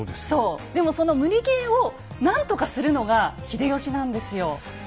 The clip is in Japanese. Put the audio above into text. そうでもその無理ゲーを何とかするのが秀吉なんですよ。